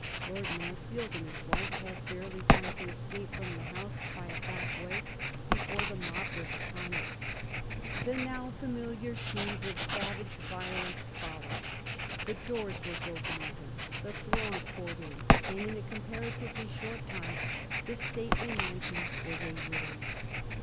Lord Mansfield and his wife had barely time to escape from the house by a back way before the mob were upon it. The now familiar scenes of savage violence followed. The doors were broken open, the throng poured in, and in a comparatively short time the stately mansion was a ruin.